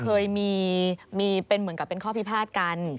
กรณีนายมาร์คพิษบูนี่เคยมีเหมือนกับเป็นค้อพิพาทกัน